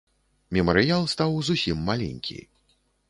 Мемарыял стаў зусім маленькі.